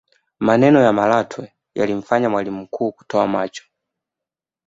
maneno ya malatwe yalimfanya mwalimu mkuu kutoa macho